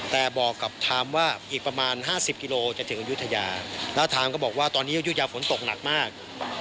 แต่บอกกับทามว่าอีกประมาณห้าสิบกิโลจะถึงยุทยาแล้วทามก็บอกว่าตอนนี้ยุทยาฝนตกหนักมาก